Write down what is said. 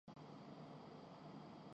تو لگ بھگ چالیس گاڑیوں کے جلوس میں۔